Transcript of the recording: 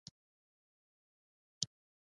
د افغانستان کريکټ بورډ په وينا ټاکل شوې وه